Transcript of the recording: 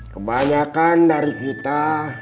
kebanyakan dari kita